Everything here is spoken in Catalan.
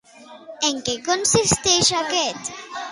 En què consistia aquest?